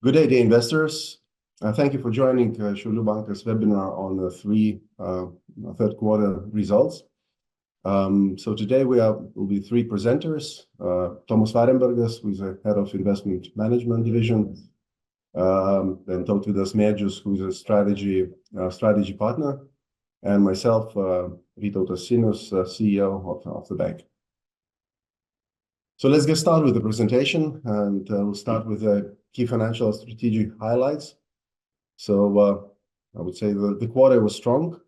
Good day, dear investors. Thank you for joining Šiaulių Bankas' webinar on the third quarter results. Today we will be three presenters: Tomas Varenbergas, who is the head of Investment Management Division, and Tautvydas Marčiulaitis, who is a strategy partner, and myself, Vytautas Šiňauskas, CEO of the bank. Let's get started with the presentation, and we'll start with the key financial strategic highlights. I would say the quarter was strong.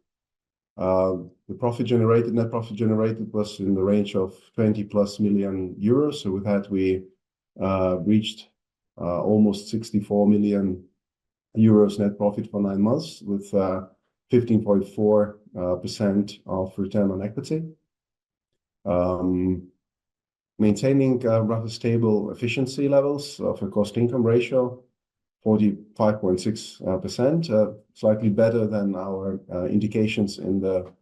The net profit generated was in the range of 20+ million euros. With that, we reached almost 64 million euros net profit for nine months with 15.4% return on equity, maintaining rather stable efficiency levels of a cost-to-income ratio of 45.6%, slightly better than our indications in the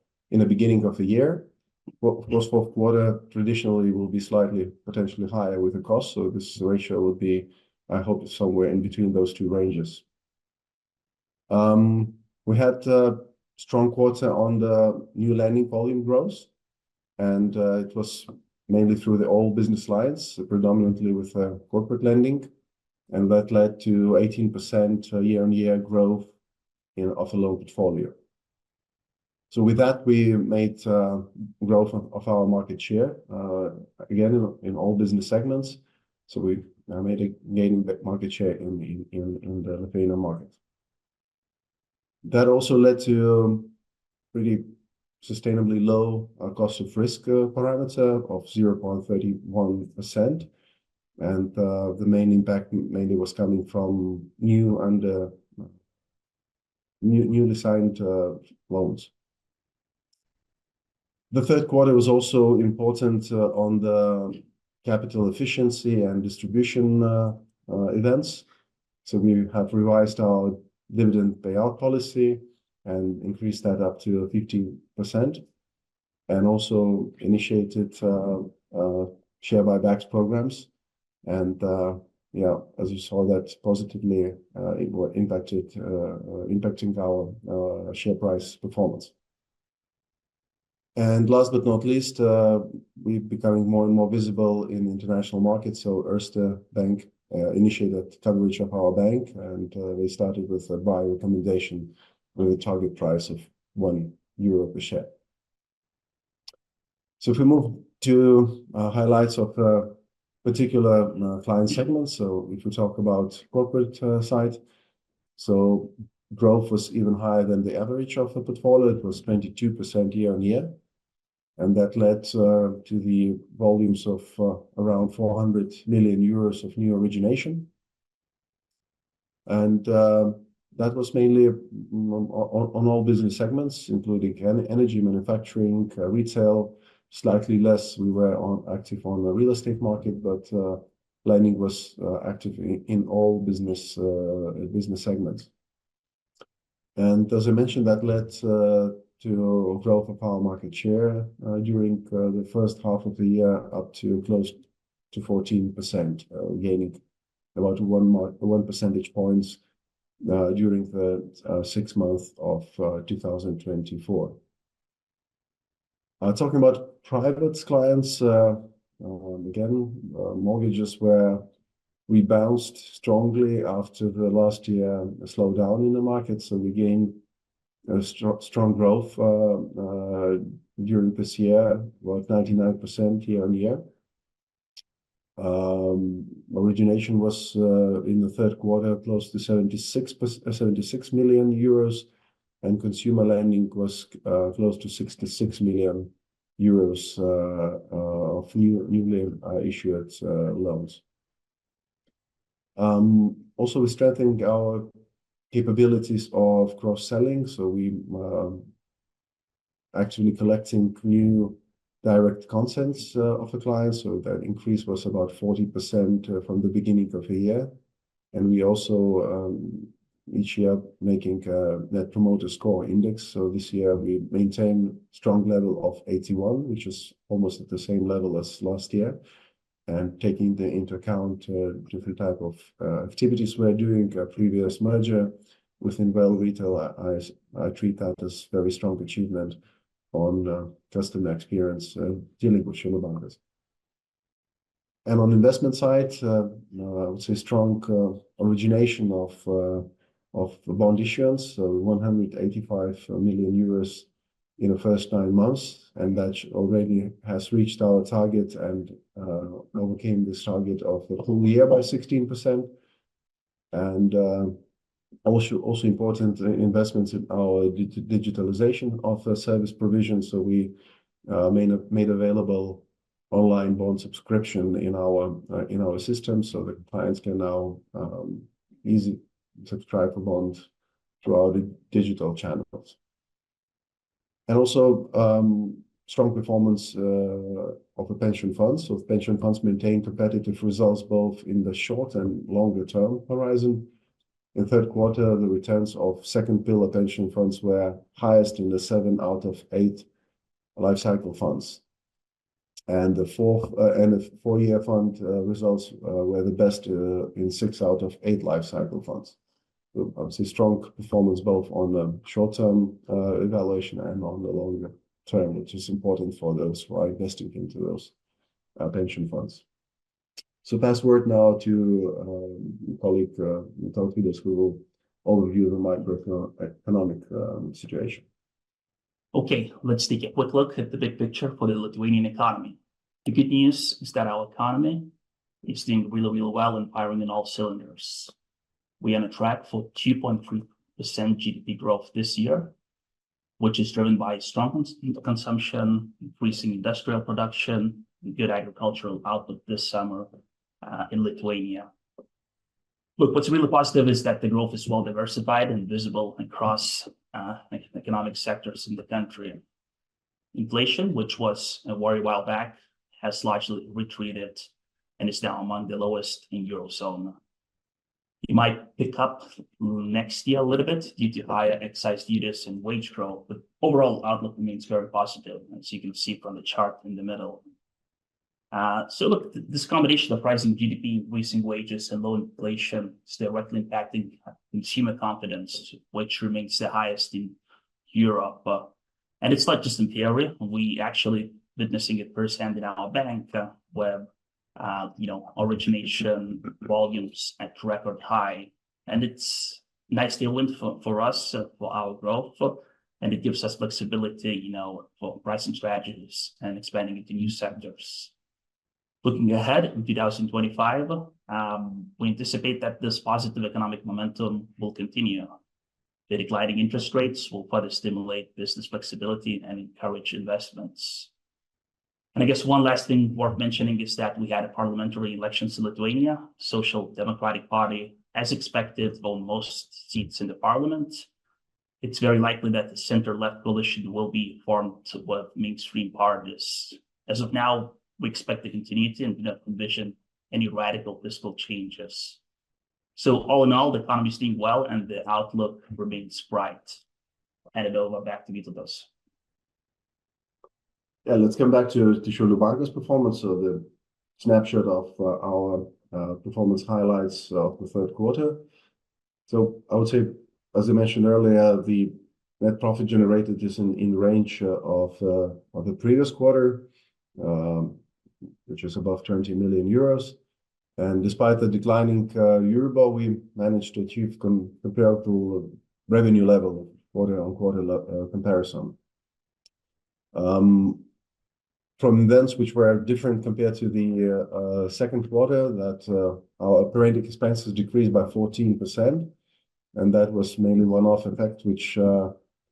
beginning of the year. Of course, fourth quarter traditionally will be slightly potentially higher with the cost, so this ratio would be, I hope, somewhere in between those two ranges. We had a strong quarter on the new lending volume growth, and it was mainly through the old business lines, predominantly with corporate lending, and that led to 18% year-on-year growth of loan portfolio. So with that, we made growth of our market share, again, in all business segments. So we made a gain in market share in the Lithuanian market. That also led to a pretty sustainably low cost of risk parameter of 0.31%, and the main impact mainly was coming from new and newly signed loans. The third quarter was also important on the capital efficiency and distribution events. So we have revised our dividend payout policy and increased that up to 15%, and also initiated share buybacks programs. And yeah, as you saw, that positively impacted our share price performance. And last but not least, we're becoming more and more visible in international markets. So Erste Group initiated coverage of our bank, and they started with a buy recommendation with a target price of 1 euro per share. So if we move to highlights of particular client segments, so if we talk about the corporate side, so growth was even higher than the average of the portfolio. It was 22% year-on-year, and that led to the volumes of around 400 million euros of new origination. And that was mainly on all business segments, including energy, manufacturing, retail. Slightly less, we were active on the real estate market, but lending was active in all business segments. And as I mentioned, that led to a growth of our market share during the first half of the year up to close to 14%, gaining about one percentage point during the sixth month of 2024. Talking about private clients, again, mortgages rebounded strongly after the last year slowed down in the market. So we gained strong growth during this year, about 99% year-on-year. Origination was in the third quarter close to 76 million euros, and consumer lending was close to 66 million euros of newly issued loans. Also, we're strengthening our capabilities of cross-selling. So we're actually collecting new direct consents of the clients. So that increase was about 40% from the beginning of the year. And we also, each year, are making a Net Promoter Score index. This year, we maintained a strong level of 81, which is almost at the same level as last year, and taking into account different types of activities we're doing at previous merger within Invalda Retail, I treat that as a very strong achievement on customer experience dealing with Šiaulių Bankas. And on the investment side, I would say strong origination of bond issuance, so 185 million euros in the first nine months, and that already has reached our target and overcame this target of the whole year by 16%. And also important investments in our digitization of the service provision. So we made available online bond subscription in our system, so the clients can now easily subscribe for bonds throughout the digital channels. And also strong performance of the pension funds. So pension funds maintained competitive results both in the short and longer-term horizon. In the third quarter, the returns of second pillar pension funds were highest in seven out of eight life cycle funds. And the four-year fund results were the best in six out of eight life cycle funds. So obviously, strong performance both on the short-term evaluation and on the longer term, which is important for those who are investing into those pension funds. So now over to my colleague Tautvydas, who will overview the macroeconomic situation. Okay, let's take a quick look at the big picture for the Lithuanian economy. The good news is that our economy is doing really, really well and firing on all cylinders. We are on a track for 2.3% GDP growth this year, which is driven by strong consumption, increasing industrial production, and good agricultural output this summer in Lithuania. Look, what's really positive is that the growth is well diversified and visible across economic sectors in the country. Inflation, which was very high a while back, has largely retreated and is now among the lowest in the Eurozone. You might pick up next year a little bit due to higher excise duties and wage growth, but overall outlook remains very positive, as you can see from the chart in the middle. So look, this combination of rising GDP, increasing wages, and low inflation is directly impacting consumer confidence, which remains the highest in Europe. And it's not just in theory. We are actually witnessing it firsthand in our bank, where origination volumes are at record high. And it's a nice deal for us for our growth, and it gives us flexibility for pricing strategies and expanding into new sectors. Looking ahead in 2025, we anticipate that this positive economic momentum will continue. The declining interest rates will further stimulate business flexibility and encourage investments. And I guess one last thing worth mentioning is that we had a parliamentary election in Lithuania. Social Democratic Party, as expected, won most seats in the parliament. It's very likely that the center-left coalition will be formed with mainstream parties. As of now, we expect the continuity and do not envision any radical fiscal changes. So all in all, the economy is doing well, and the outlook remains bright. And now back to Vytautas. Yeah, let's come back to Šiaulių Bankas' performance. So the snapshot of our performance highlights of the third quarter. So I would say, as I mentioned earlier, the net profit generated is in range of the previous quarter, which is above 20 million euros. And despite the declining euro bond, we managed to achieve comparable revenue level for the quarter-on-quarter comparison. From events which were different compared to the second quarter, our operating expenses decreased by 14%. And that was mainly one-off effect, which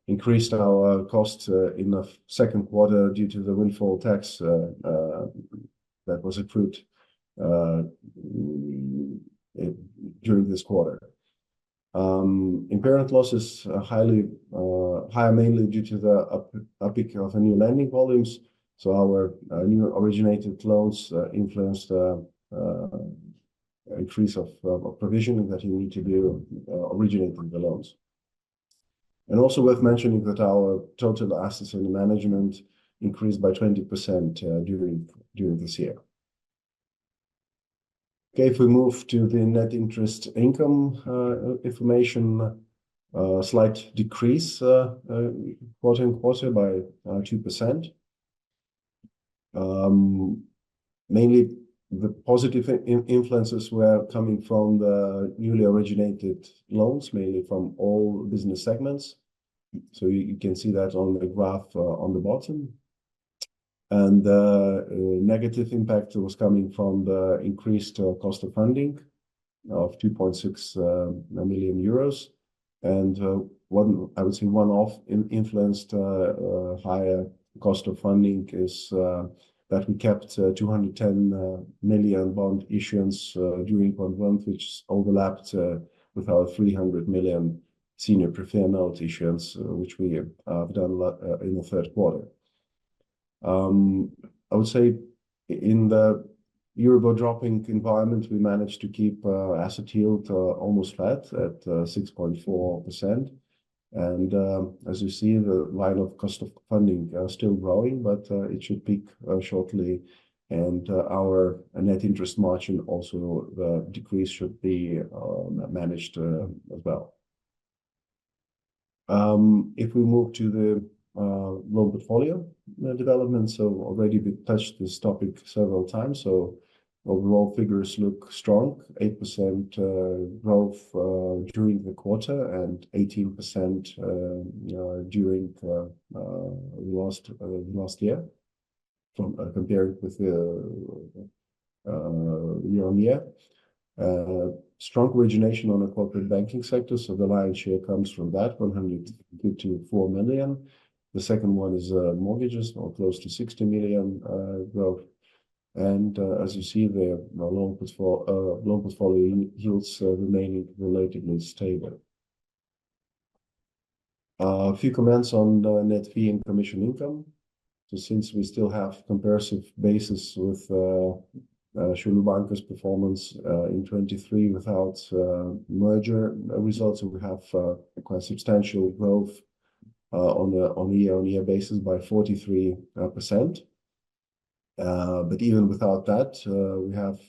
increased our costs in the second quarter due to the windfall tax that was accrued during this quarter. Impairment losses are higher, mainly due to the uptick of the new lending volumes. So our new originated loans influenced the increase of provision that you need to do originating the loans. And also worth mentioning that our total assets in management increased by 20% during this year. Okay, if we move to the net interest income information, slight decrease quarter on quarter by 2%. Mainly, the positive influences were coming from the newly originated loans, mainly from all business segments. So you can see that on the graph on the bottom. And the negative impact was coming from the increased cost of funding of 2.6 million euros. And I would say one-off influenced higher cost of funding is that we kept 210 million bond issuance during quarter one, which overlapped with our 300 million senior preferred note issuance, which we have done in the third quarter. I would say in the euro bond dropping environment, we managed to keep asset yield almost flat at 6.4%. And as you see, the line of cost of funding is still growing, but it should peak shortly. And our net interest margin also decrease should be managed as well. If we move to the loan portfolio development, so already we've touched this topic several times. So overall figures look strong: 8% growth during the quarter and 18% during the last year compared with year-on-year. Strong origination on the corporate banking sector. So the lion's share comes from that: 154 million. The second one is mortgages, or close to 60 million growth. And as you see, the loan portfolio yields remaining relatively stable. A few comments on net fee and commission income. So since we still have comparative basis with Šiaulių Bankas' performance in 2023 without merger results, we have quite substantial growth on a year-on-year basis by 43%. But even without that, we have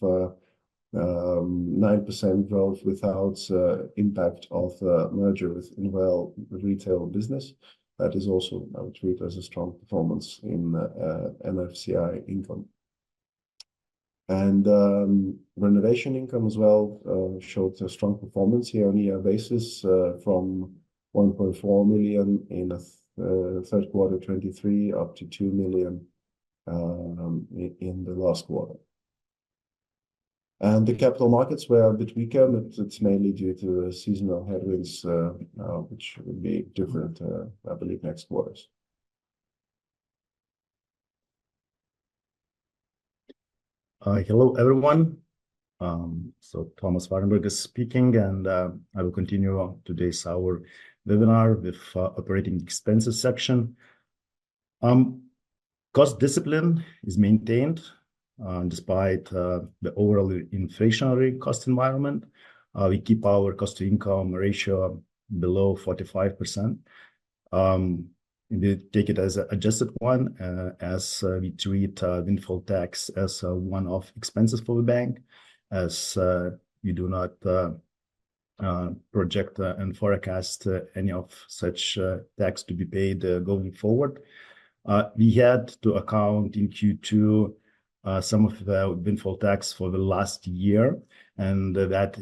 9% growth without impact of merger within well retail business. That is also, I would treat as a strong performance in NFCI income. And renovation income as well showed a strong performance year-on-year basis from 1.4 million in the third quarter 2023 up to 2 million in the last quarter. And the capital markets were a bit weaker, but it's mainly due to seasonal headwinds, which will be different, I believe, next quarters. Hello everyone, so Tomas Varenbergas is speaking, and I will continue today's our webinar with operating expenses section. Cost discipline is maintained despite the overall inflationary cost environment. We keep our cost-to-income ratio below 45%. We take it as an adjusted one as we treat windfall tax as one of expenses for the bank, as we do not project and forecast any of such tax to be paid going forward. We had to account in Q2 some of the windfall tax for the last year, and that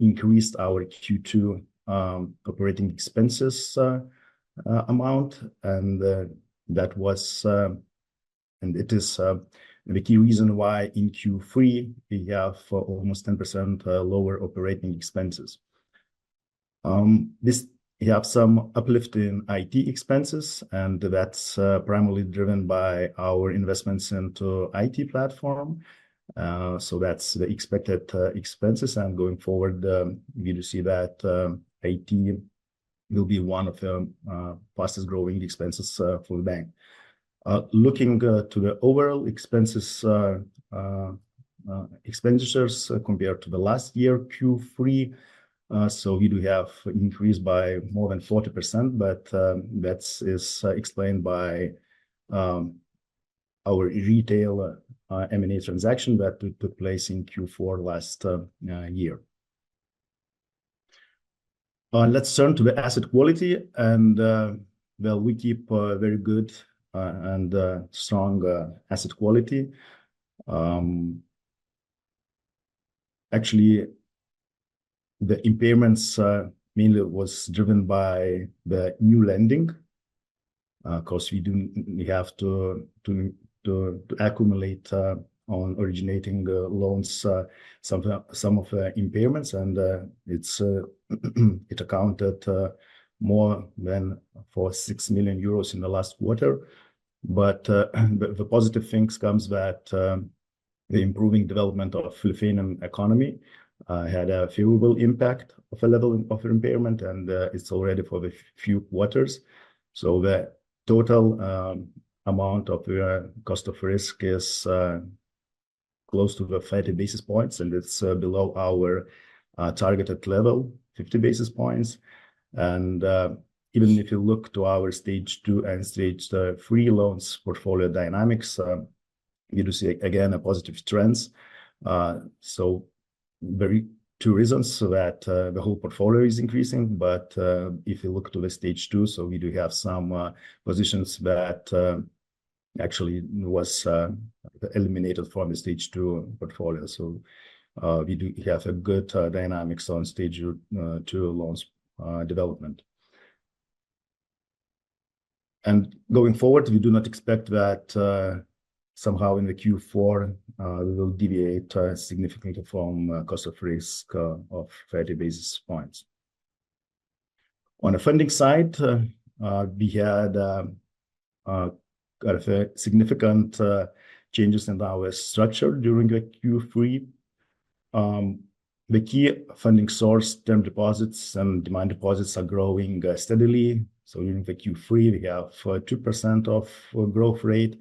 increased our Q2 operating expenses amount, and that was, and it is the key reason why in Q3 we have almost 10% lower operating expenses. This we have some uplift in IT expenses, and that's primarily driven by our investments into IT platform, so that's the expected expenses. Going forward, we do see that IT will be one of the fastest growing expenses for the bank. Looking to the overall expenses expenditures compared to the last year, Q3, so we do have an increase by more than 40%, but that is explained by our retail M&A transaction that took place in Q4 last year. Let's turn to the asset quality. We keep very good and strong asset quality. Actually, the impairments mainly were driven by the new lending because we have to accumulate on originating loans some of the impairments. It accounted for more than 6 million euros in the last quarter. The positive thing comes that the improving development of the Lithuanian economy had a favorable impact of a level of impairment, and it's already for the few quarters. The total amount of cost of risk is close to the 30 basis points, and it's below our targeted level, 50 basis points. Even if you look to our stage two and stage three loans portfolio dynamics, we do see again positive trends. Two reasons that the whole portfolio is increasing. If you look to the stage two, we do have some positions that actually were eliminated from the stage two portfolio. We do have a good dynamics on stage two loans development. Going forward, we do not expect that somehow in the Q4 we will deviate significantly from cost of risk of 30 basis points. On the funding side, we had significant changes in our structure during the Q3. The key funding source, term deposits and demand deposits, are growing steadily. So during the Q3, we have a 2% growth rate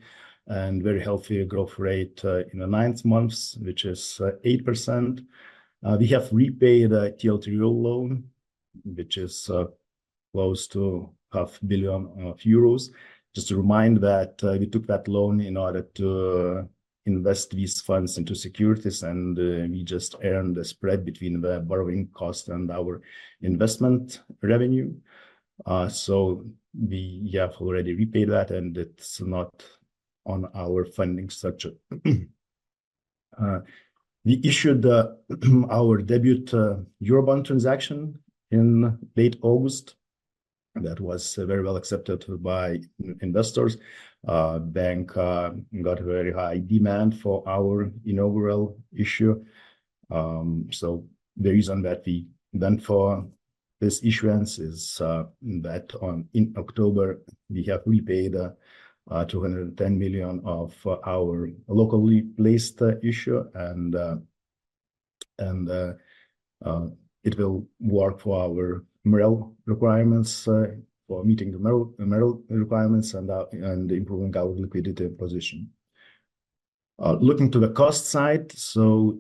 and very healthy growth rate in the ninth month, which is 8%. We have repaid a TLTRO, which is close to 500 million euros. Just to remind that we took that loan in order to invest these funds into securities, and we just earned the spread between the borrowing cost and our investment revenue. So we have already repaid that, and it's not on our funding structure. We issued our debut euro bond transaction in late August. That was very well accepted by investors. The bank got very high demand for our inaugural issue. So the reason that we went for this issuance is that in October, we have repaid 210 million of our locally placed issue, and it will work for our MREL requirements for meeting the MREL requirements and improving our liquidity position. Looking to the cost side, so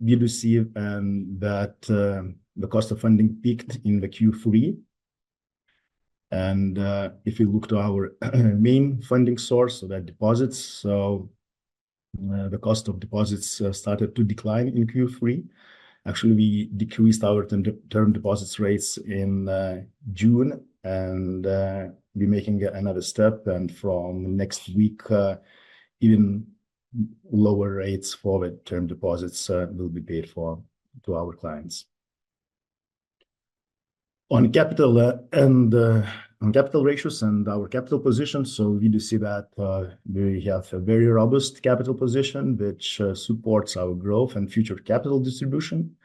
we do see that the cost of funding peaked in the Q3. And if you look to our main funding source, so that deposits, so the cost of deposits started to decline in Q3. Actually, we decreased our term deposits rates in June, and we're making another step. And from next week, even lower rates for term deposits will be paid for to our clients. On capital and on capital ratios and our capital position, so we do see that we have a very robust capital position, which supports our growth and future capital distribution.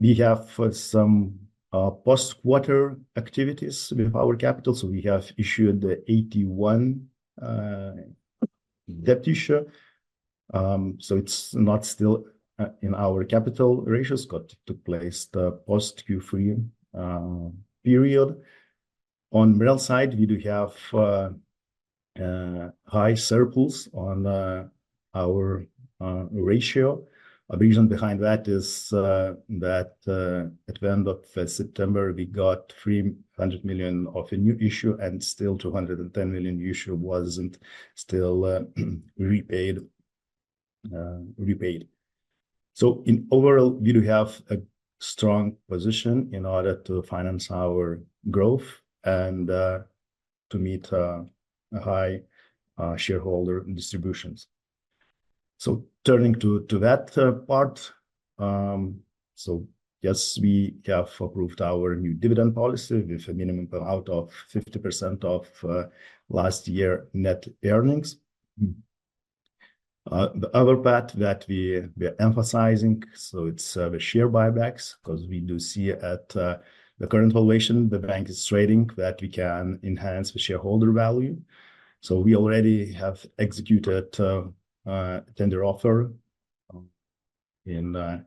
We have some post-quarter activities with our capital. So we have issued the AT1 debt issue. So it's not still in our capital ratios, but it took place the post-Q3 period. On MREL side, we do have high surplus on our ratio. The reason behind that is that at the end of September, we got 300 million of a new issue, and still 210 million issue wasn't still repaid. So in overall, we do have a strong position in order to finance our growth and to meet high shareholder distributions. So turning to that part, so yes, we have approved our new dividend policy with a minimum amount of 50% of last year's net earnings. The other part that we are emphasizing, so it's the share buybacks because we do see at the current valuation, the bank is trading that we can enhance the shareholder value. So we already have executed a tender offer in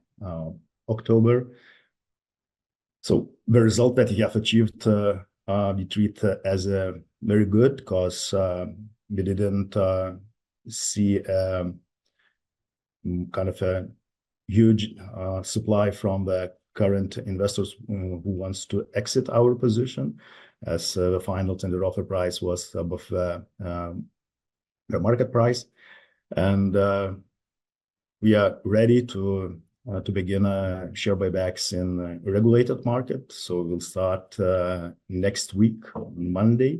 October. The result that we have achieved, we treat as very good because we didn't see kind of a huge supply from the current investors who want to exit our position as the final tender offer price was above the market price. We are ready to begin share buybacks in a regulated market. We'll start next week on Monday.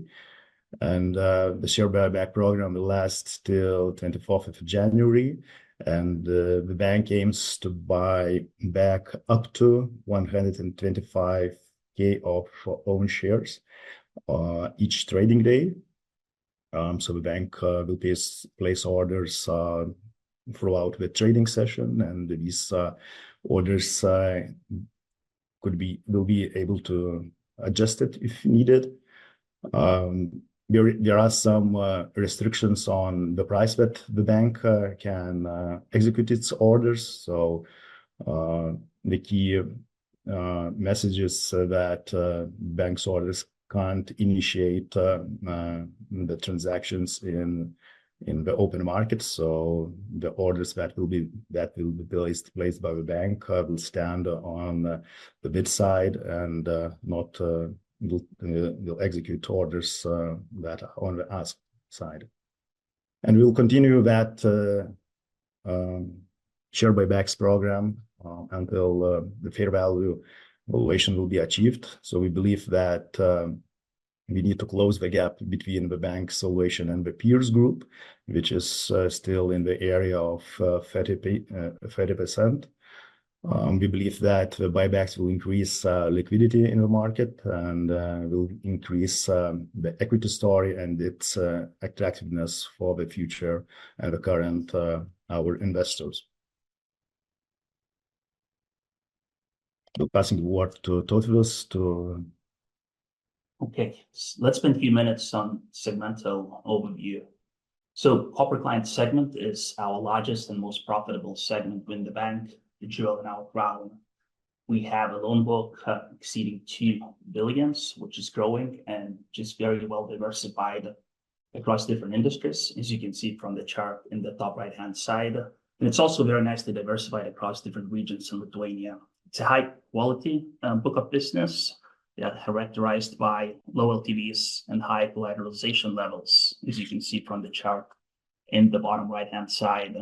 The share buyback program will last till 24th of January. The bank aims to buy back up to 125K of own shares each trading day. The bank will place orders throughout the trading session. These orders will be able to adjust it if needed. There are some restrictions on the price that the bank can execute its orders. The key message is that bank's orders can't initiate the transactions in the open market. So the orders that will be placed by the bank will stand on the bid side and will execute orders that are on the ask side. And we'll continue that share buybacks program until the fair value valuation will be achieved. So we believe that we need to close the gap between the bank's valuation and the peer group, which is still in the area of 30%. We believe that the buybacks will increase liquidity in the market and will increase the equity story and its attractiveness for the future and the current our investors. So passing the word to Tomas to. Okay. Let's spend a few minutes on segmental overview. So corporate client segment is our largest and most profitable segment within the bank, the jewel in our crown. We have a loan book exceeding 2 billion, which is growing and just very well diversified across different industries, as you can see from the chart in the top right-hand side. And it's also very nicely diversified across different regions in Lithuania. It's a high-quality book of business that is characterized by loyalty fees and high collateralization levels, as you can see from the chart in the bottom right-hand side.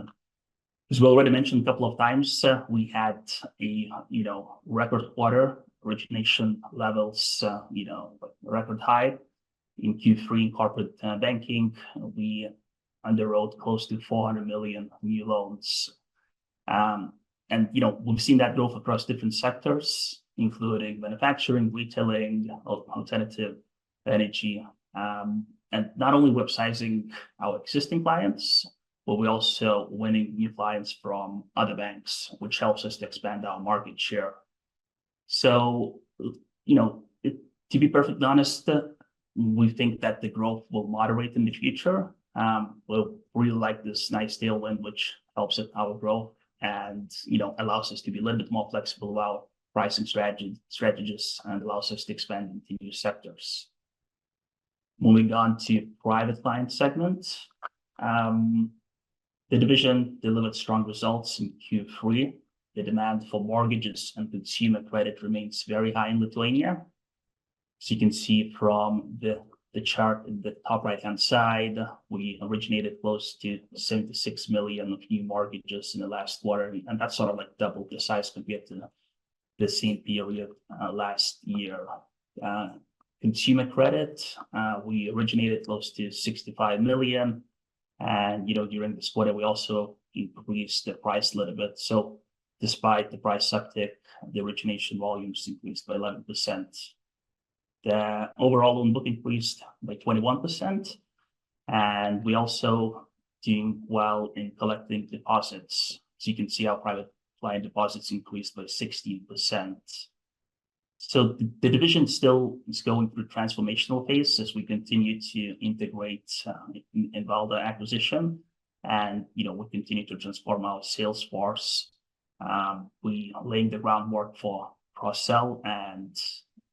As we already mentioned a couple of times, we had a record quarter origination levels, you know, record high. In Q3 in corporate banking, we underwrote close to 400 million new loans. And you know, we've seen that growth across different sectors, including manufacturing, retailing, alternative energy, and not only upsizing our existing clients, but we're also winning new clients from other banks, which helps us to expand our market share. So, you know, to be perfectly honest, we think that the growth will moderate in the future. We'll really like this nice tailwind, which helps our growth and, you know, allows us to be a little bit more flexible about pricing strategies and allows us to expand into new sectors. Moving on to private client segments. The division delivered strong results in Q3. The demand for mortgages and consumer credit remains very high in Lithuania. So you can see from the chart in the top right-hand side, we originated close to 76 million of new mortgages in the last quarter. That's sort of like double the size compared to the same period last year. Consumer credit, we originated close to 65 million EUR. And you know, during this quarter, we also increased the price a little bit. So despite the price uptick, the origination volume has increased by 11%. The overall loan book increased by 21%. And we also do well in collecting deposits. So you can see our private client deposits increased by 16%. So the division still is going through a transformational phase as we continue to integrate in Valda acquisition. And you know, we continue to transform our sales force. We laid the groundwork for Cross-Sell, and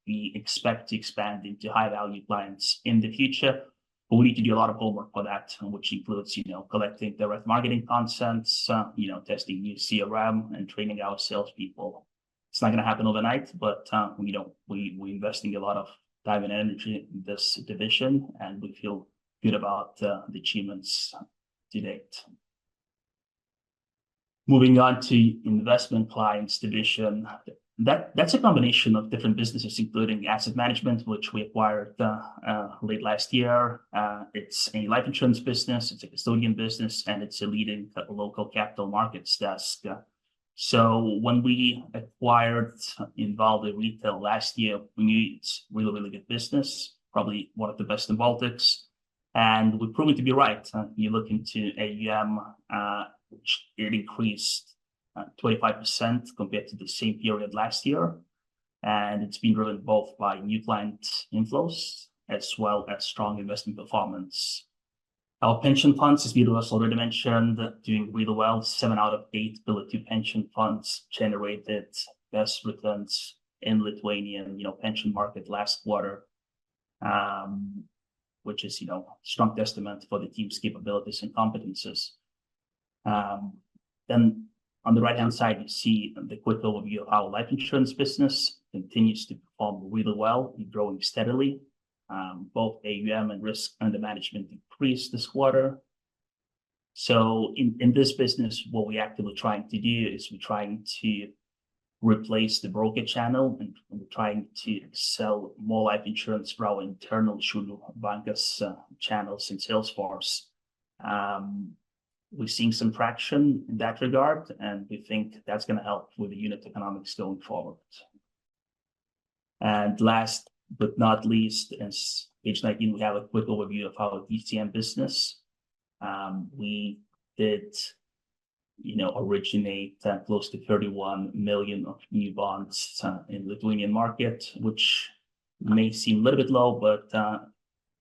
we expect to expand into high-value clients in the future. But we need to do a lot of homework for that, which includes, you know, collecting direct marketing consents, you know, testing new CRM and training our salespeople. It's not going to happen overnight, but you know, we're investing a lot of time and energy in this division, and we feel good about the achievements to date. Moving on to investment clients division, that's a combination of different businesses, including asset management, which we acquired late last year. It's a life insurance business, it's a custodian business, and it's a leading local capital markets desk. So when we acquired Invalda Retail last year, we knew it's really, really good business, probably one of the best in Baltics, and we proved it to be right. You look into AUM, which increased 25% compared to the same period last year, and it's been driven both by new client inflows as well as strong investment performance. Our pension funds, as Vytautas already mentioned, doing really well. Seven out of eight pension funds generated best returns in the Lithuanian, you know, pension market last quarter, which is, you know, a strong testament for the team's capabilities and competencies. Then on the right-hand side, you see the quick overview of our life insurance business continues to perform really well and growing steadily. Both AUM and risk under management increased this quarter. So in this business, what we're actively trying to do is we're trying to replace the broker channel, and we're trying to sell more life insurance for our internal sales bankers channels in Salesforce. We're seeing some traction in that regard, and we think that's going to help with the unit economics going forward. And last but not least, As [on]we have a quick overview of our DCM business. We did, you know, originate close to 31 million of new bonds in the Lithuanian market, which may seem a little bit low, but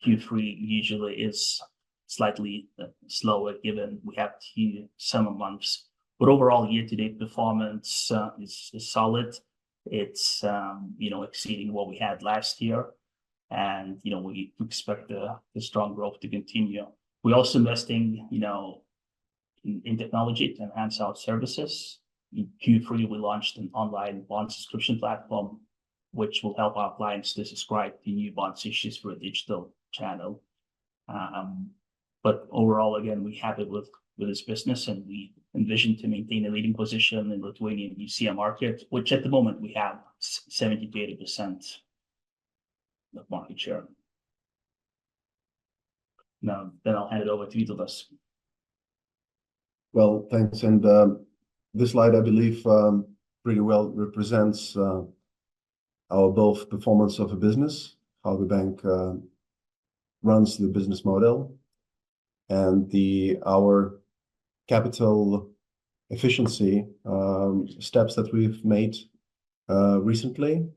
Q3 usually is slightly slower given we have to see some months. But overall, year-to-date performance is solid. It's, you know, exceeding what we had last year. And you know, we expect the strong growth to continue. We're also investing, you know, in technology to enhance our services. In Q3, we launched an online bond subscription platform, which will help our clients to subscribe to new bond issues for a digital channel. But overall, again, we have it with this business, and we envision to maintain a leading position in Lithuanian DCM market, which at the moment we have 70%-80% of market share. Now, then I'll hand it over to Vytautas. Thanks. This slide, I believe, pretty well represents our both performance of a business, how the bank runs the business model, and our capital efficiency steps that we've made recently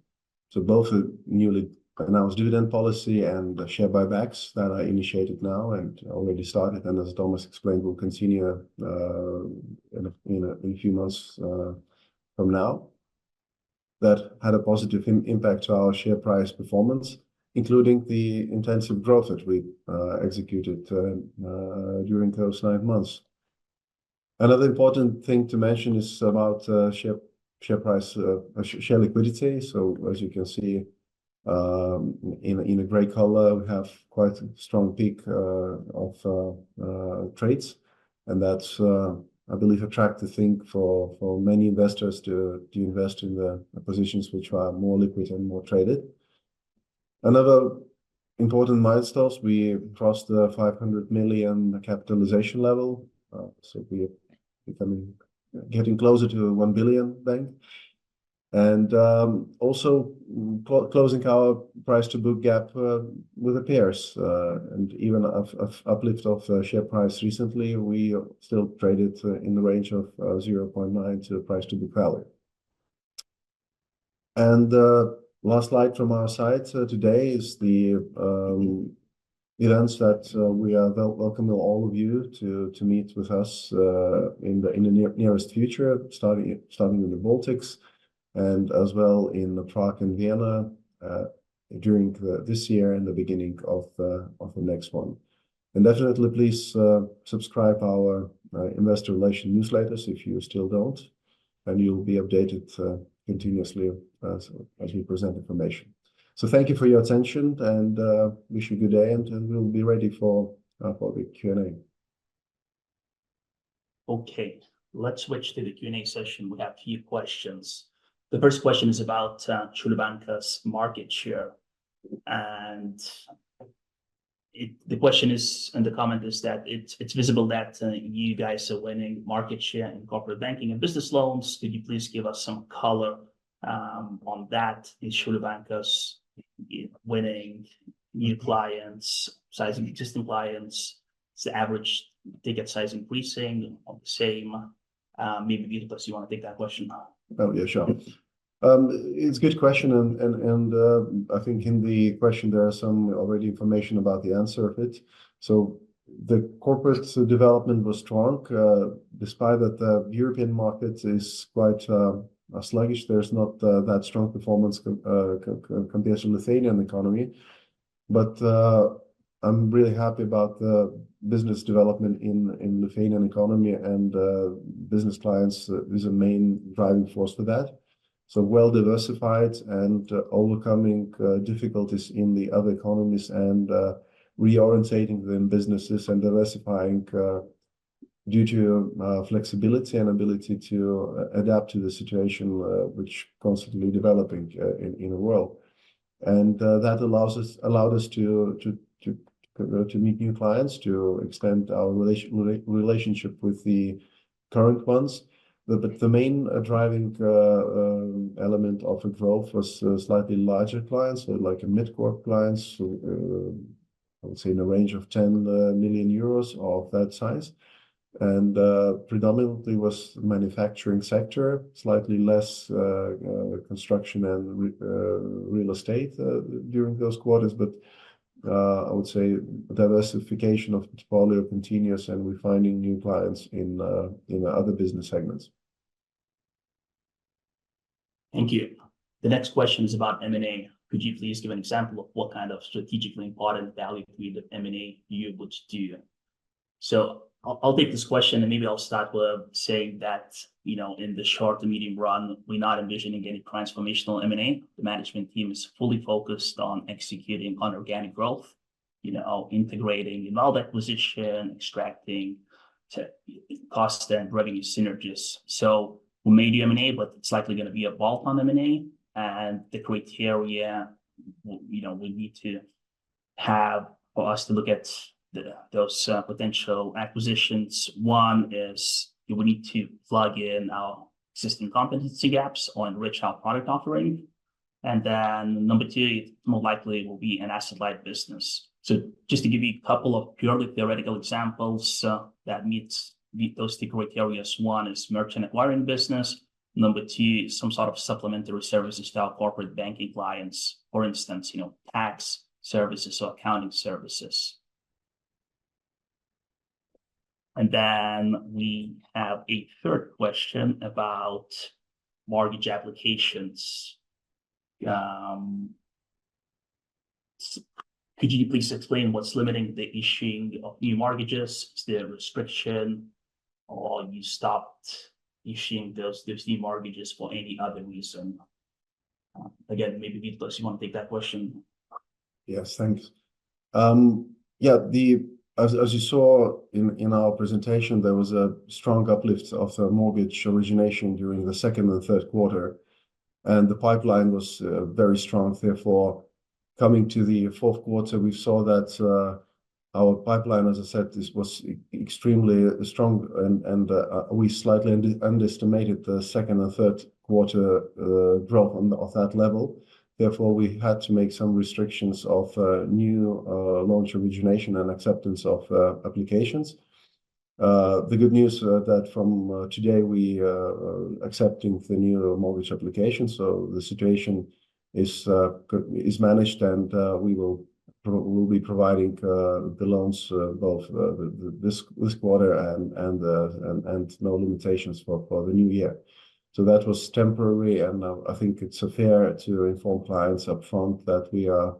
to both the newly announced dividend policy and the share buybacks that are initiated now and already started. As Tomas explained, we'll continue in a few months from now. That had a positive impact on our share price performance, including the intensive growth that we executed during those nine months. Another important thing to mention is about share price, share liquidity. As you can see in the gray color, we have quite a strong peak of trades. That's, I believe, a track to think for many investors to invest in the positions which are more liquid and more traded. Another important milestone, we crossed the 500 million capitalization level. So we're getting closer to 1 billion bank. And also closing our price-to-book gap with our peers. And even an uplift of share price recently, we still traded in the range of 0.9 to price-to-book value. And last slide from our side today is the events that we are welcoming all of you to meet with us in the nearest future, starting with the Baltics and as well in Prague and Vienna during this year and the beginning of the next one. And definitely please subscribe to our investor relation newsletters if you still don't. And you'll be updated continuously as we present information. So thank you for your attention and wish you a good day and we'll be ready for the Q&A. Okay, let's switch to the Q&A session. We have a few questions. The first question is about Šiaulių Bankas market share. And the question is, and the comment is that it's visible that you guys are winning market share in corporate banking and business loans. Could you please give us some color on that in Šiaulių Bankas winning new clients, sizing existing clients, the average ticket size increasing on the same? Maybe Vytautas, you want to take that question. Oh, yeah, sure. It's a good question. And I think in the question there is some already information about the answer of it. So the corporate development was strong despite that the European market is quite sluggish. There's not that strong performance compared to the Lithuanian economy. But I'm really happy about the business development in the Lithuanian economy and business clients is a main driving force for that. So well diversified and overcoming difficulties in the other economies and reorientating them businesses and diversifying due to flexibility and ability to adapt to the situation which is constantly developing in the world. And that allowed us to meet new clients, to extend our relationship with the current ones. But the main driving element of the growth was slightly larger clients, like mid-corp clients, I would say in the range of 10 million euros or that size. And predominantly was manufacturing sector, slightly less construction and real estate during those quarters. But I would say diversification of portfolio continues and we're finding new clients in other business segments. Thank you. The next question is about M&A. Could you please give an example of what kind of strategically important value for you that M&A you would do? So I'll take this question and maybe I'll start with saying that, you know, in the short to medium run, we're not envisioning any transformational M&A. The management team is fully focused on executing on organic growth, you know, integrating in Valda acquisition, extracting cost and revenue synergies. So we may do M&A, but it's likely going to be a bolt-on M&A. And the criteria, you know, we need to have for us to look at those potential acquisitions. One is we need to plug in our existing competency gaps or enrich our product offering. And then number two, it more likely will be an asset-light business. So just to give you a couple of purely theoretical examples that meet those two criteria. One is merchant acquiring business. Number two, some sort of supplementary services to our corporate banking clients, for instance, you know, tax services or accounting services. And then we have a third question about mortgage applications. Could you please explain what's limiting the issuing of new mortgages? Is there a restriction or you stopped issuing those new mortgages for any other reason? Again, maybe Vytautas, you want to take that question. Yes, thanks. Yeah, as you saw in our presentation, there was a strong uplift of mortgage origination during the second and third quarter. And the pipeline was very strong. Therefore, coming to the fourth quarter, we saw that our pipeline, as I said, this was extremely strong. And we slightly underestimated the second and third quarter growth on that level. Therefore, we had to make some restrictions of new loan origination and acceptance of applications. The good news that from today we are accepting the new mortgage applications. So the situation is managed and we will be providing the loans both this quarter and no limitations for the new year. So that was temporary. And I think it's fair to inform clients upfront that we are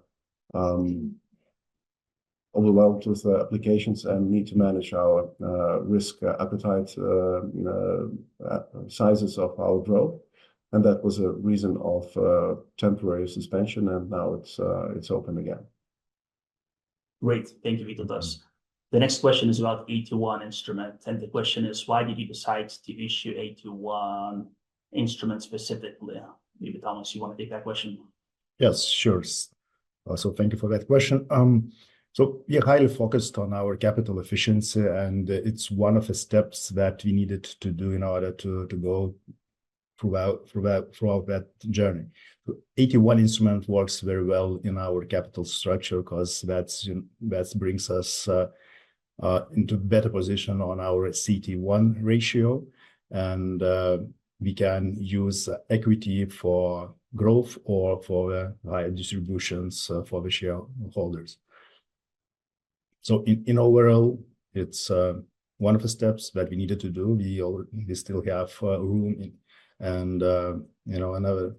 overwhelmed with the applications and need to manage our risk appetite, size of our growth. And that was a reason for temporary suspension. Now it's open again. Great. Thank you, Vytautas. The next question is about AT1 instrument. And the question is, why did you decide to issue AT1 instrument specifically? Vytautas, you want to take that question? Yes, sure. So thank you for that question. So we are highly focused on our capital efficiency. And it's one of the steps that we needed to do in order to go throughout that journey. AT1 instrument works very well in our capital structure because that brings us into a better position on our CET1 ratio. And we can use equity for growth or for higher distributions for the shareholders. So in overall, it's one of the steps that we needed to do. We still have room and, you know, another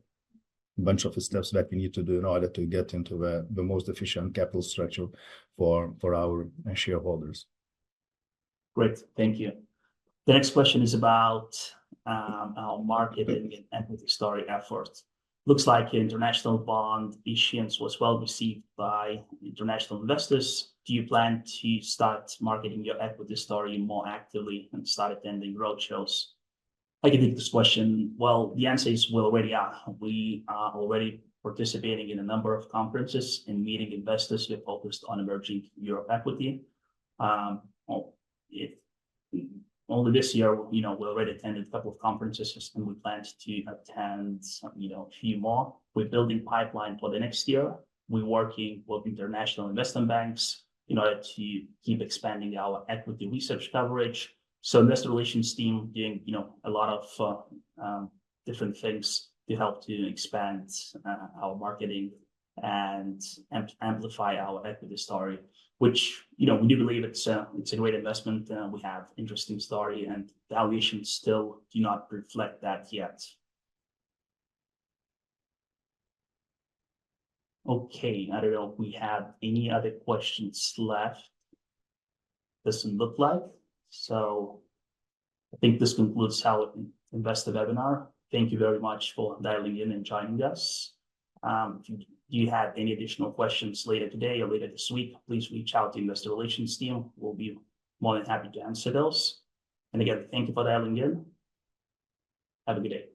bunch of steps that we need to do in order to get into the most efficient capital structure for our shareholders. Great. Thank you. The next question is about our marketing and equity story effort. Looks like your international bond issuance was well received by international investors. Do you plan to start marketing your equity story more actively and start attending roadshows? I can take this question. Well, the answer is we already are. We are already participating in a number of conferences and meeting investors who are focused on emerging Europe equity. Only this year, you know, we already attended a couple of conferences and we plan to attend, you know, a few more. We're building pipeline for the next year. We're working with international investment banks in order to keep expanding our equity research coverage. So investor relations team doing, you know, a lot of different things to help to expand our marketing and amplify our equity story, which, you know, we do believe it's a great investment. We have an interesting story and the valuations still do not reflect that yet. Okay, I don't know if we have any other questions left. Doesn't look like, so I think this concludes our investor webinar. Thank you very much for dialing in and joining us. If you have any additional questions later today or later this week, please reach out to the investor relations team. We'll be more than happy to answer those, and again, thank you for dialing in. Have a good day.